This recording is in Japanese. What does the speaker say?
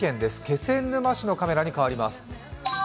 気仙沼市のカメラに変わります。